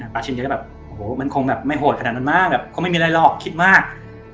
ชินแกก็แบบโอ้โหมันคงแบบไม่โหดขนาดนั้นมากแบบคงไม่มีอะไรหรอกคิดมาก